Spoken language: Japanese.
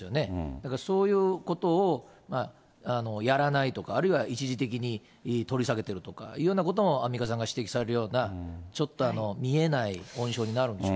だからそういうことをやらないとか、あるいは一時的に取り下げてるとかというようなこともアンミカさんが指摘されるような、ちょっと見えない温床になるんですよ。